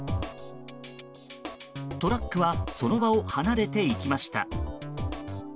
トラックはその場を離れていきました。